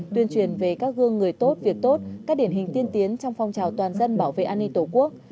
tuyên truyền về các gương người tốt việc tốt các điển hình tiên tiến trong phong trào toàn dân bảo vệ an ninh tổ quốc